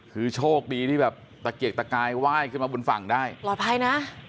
คือโชคดีที่แบบตะเกียกตะกายไหว้ขึ้นมาบนฝั่งได้ปลอดภัยนะ